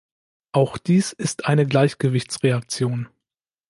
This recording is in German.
Auch dies ist eine Gleichgewichtsreaktion.